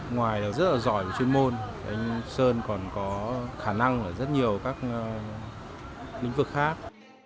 ngoài rất là giỏi về chuyên môn anh sơn còn có khả năng ở rất nhiều các lĩnh vực khác